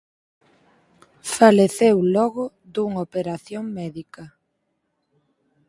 Faleceu logo dunha operación médica.